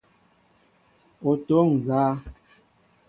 O toóŋ nzá ?